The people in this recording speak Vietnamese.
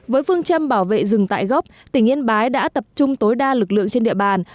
với phương châm bảo vệ rừng tại gốc tỉnh yên bái đã tập trung tối đa lực lượng trên địa bàn